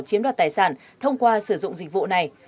chiếm đoạt tài sản thông qua sử dụng dịch vụ này